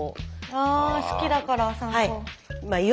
あ好きだから酸素。